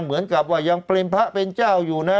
เหมือนกับว่ายังเป็นพระเป็นเจ้าอยู่นะ